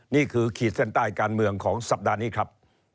ขีดเส้นใต้การเมืองของสัปดาห์นี้ครับ